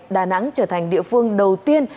đà nẵng trở thành địa phương đầu tiên